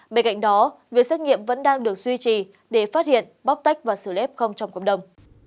bên cạnh đó việc xét nghiệm vẫn đang được duy trì để phát hiện bóc tách và xử lép không trong cộng đồng